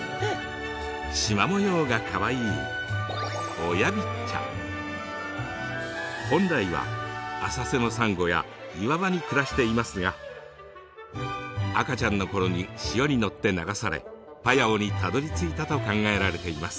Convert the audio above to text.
しま模様がかわいい本来は浅瀬のサンゴや岩場に暮らしていますが赤ちゃんのころに潮に乗って流されパヤオにたどりついたと考えられています。